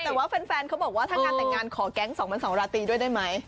แต่ว่าแฟนเขาบอกว่าถ้างานแต่งงานขอแก๊ง๒๒ราตรีด้วยได้ไหม